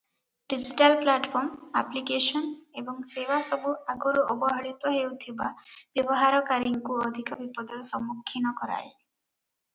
Digital platform, application ଏବଂ ସେବାସବୁ ଆଗରୁ ଅବହେଳିତ ହେଉଥିବା ବ୍ୟବହାରକାରୀଙ୍କୁ ଅଧିକ ବିପଦର ସମ୍ମୁଖୀନ କରାଏ ।